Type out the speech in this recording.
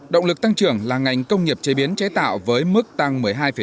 động lực tăng trưởng là ngành công nghiệp chế biến chế tạo với mức tăng một mươi hai năm